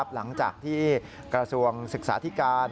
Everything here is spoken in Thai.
หลังจากที่กระทรวงศึกษาธิการ